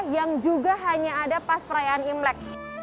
yang juga hanya ada pas perayaan imlek